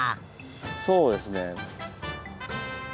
そうですね。